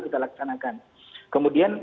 kita laksanakan kemudian